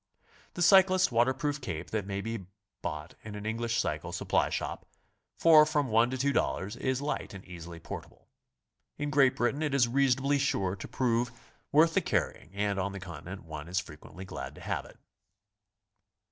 The cyclists' waterproof cape that may be bought in an English cycle supply shop for from one to two dollars, is light and easily portable. In Great Britain it is reasonably sure to prove worth the carrying, and on the Continent one is frequently glad to have it.